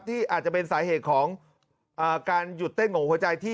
ที่อาจจะเป็นสาเหตุของการหยุดเต้นของหัวใจที่